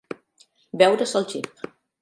Veure's el gep.